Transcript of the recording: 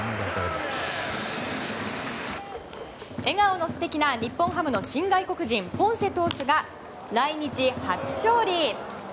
笑顔の素敵な日本ハムの新外国人ポンセ投手が来日初勝利。